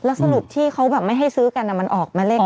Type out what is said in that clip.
แล้วสรุปที่เขาแบบไม่ให้ซื้อกันมันออกมาเลข๕